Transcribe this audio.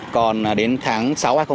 còn đến tháng sáu hai nghìn một mươi chín